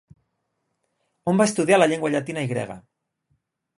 On va estudiar la llengua llatina i grega?